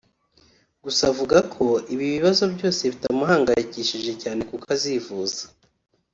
Gusa avuga ko ibi bibazo byose bitamuhangayikishije cyane kuko azivuza